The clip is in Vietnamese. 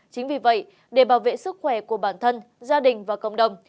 chính vì vậy để bảo vệ sức khỏe của bản thân gia đình và cộng đồng